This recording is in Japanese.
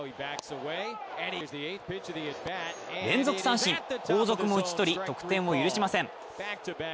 連続三振、後続も打ち取り得点を許しません。